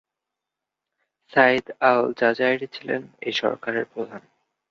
Saeed al Jazairi ছিলেন এই সরকারের প্রধান।